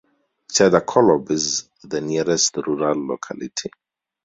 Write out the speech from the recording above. Chadakolob is the nearest rural locality.